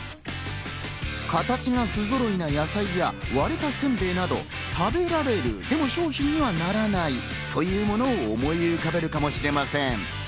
形が不ぞろいな野菜や割れたせんべいなど、食べられる商品にはならないというものを思い浮かべるかもしれません。